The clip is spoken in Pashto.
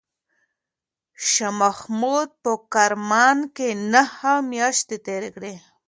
شاه محمود په کرمان کې نهه میاشتې تېرې کړې.